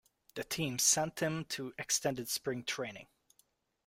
The team sent him to extended spring training.